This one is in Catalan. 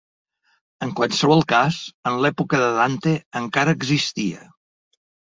En qualsevol cas, en l'època de Dante encara existia.